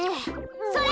それ！